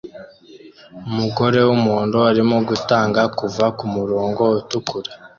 Umugore wumuhondo arimo gutanga kuva kumurongo utukura